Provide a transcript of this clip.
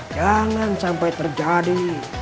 jangan sampai terjadi